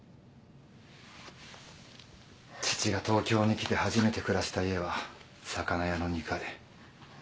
父が東京に来て初めて暮らした家は魚屋の２階。